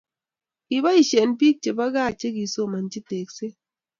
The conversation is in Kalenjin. Kipaishen pik che po kaa che kisomachi tekset